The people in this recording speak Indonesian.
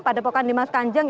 pada pokan limas kanjeng